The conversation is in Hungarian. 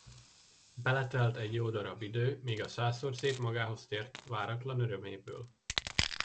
Beletelt egy jó darab idő, míg a százszorszép magához tért váratlan öröméből.